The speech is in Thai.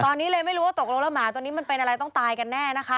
ตอนนี้เลยไม่รู้ว่าตกโรงอำนาจตัวนี้มันเป็นอะไรต้องตายกันน่ะ